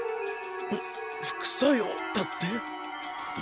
ふ副作用だって？